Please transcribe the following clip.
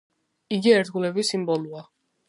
იგი ერთგულების სიმბოლოა.